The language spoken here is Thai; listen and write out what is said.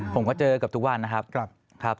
ผมก็เจอกับทุกวันนะครับ